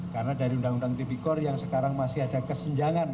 karena dari undang undang tipikor yang sekarang masih ada kesenjangan